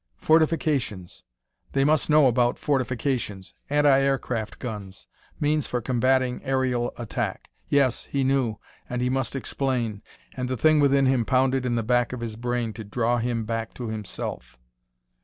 Fortifications! They must know about fortifications anti aircraft guns means for combatting aerial attack. Yes, he knew, and he must explain and the thing within him pounded in the back of his brain to draw him back to himself.